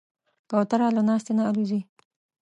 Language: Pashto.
کوتره له ناستې نه الوزي.